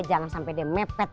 jangan sampai dia mepet